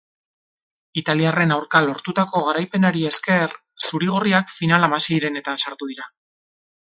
Italiarren aurka lortutako garaipenari esker, zuri-gorriak final-hamaseirenetan sartu dira.